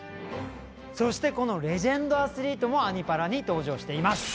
そしてこのレジェンドアスリートも「アニ×パラ」に登場しています。